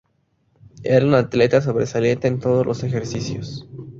Era un atleta sobresaliente en todos los ejercicios.